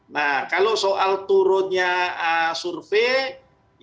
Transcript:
nah kalau soal turunnya survei